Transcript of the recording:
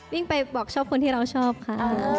วิ่งไปบอกชอบคนที่เราชอบค่ะ